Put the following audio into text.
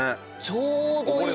ちょうどいい！